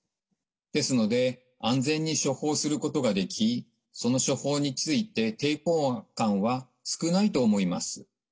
ですので安全に処方することができその処方について抵抗感は少ないと思います。